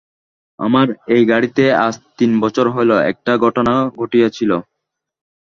আমার এই গাড়িতেই আজ তিন বছর হইল একটা ঘটনা ঘটিয়াছিল।